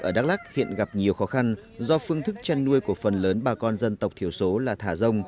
ở đắk lắc hiện gặp nhiều khó khăn do phương thức chăn nuôi của phần lớn bà con dân tộc thiểu số là thả rông